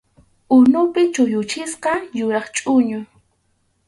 Unupi chulluchisqa yuraq chʼuñu.